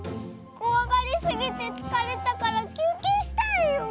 こわがりすぎてつかれたからきゅうけいしたいよ。